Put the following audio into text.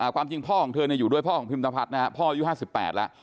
ความจริงพ่อของเธออยู่ด้วยพ่อของพิมพ์ภัทรพ่อยู่๕๘ละ